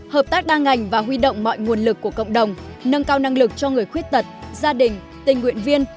hợp tác đa ngành và huy động mọi nguồn lực của cộng đồng nâng cao năng lực cho người khuyết tật gia đình tình nguyện viên